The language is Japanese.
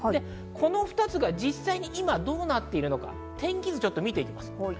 この２つが実際に今どうなってるのか、天気図を見てきます。